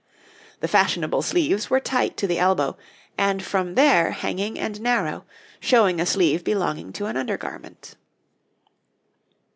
The fashionable sleeves were tight to the elbow, and from there hanging and narrow, showing a sleeve belonging to an undergarment.